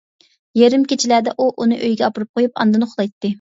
يېرىم كېچىلەردە ئۇ ئۇنى ئۆيىگە ئاپىرىپ قويۇپ ئاندىن ئۇخلايتتى.